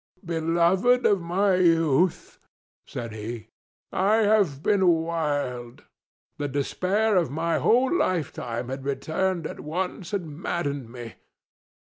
"Beloved of my youth," said he, "I have been wild. The despair of my whole lifetime had returned at once and maddened me.